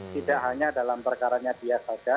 tidak hanya dalam perkaranya dia saja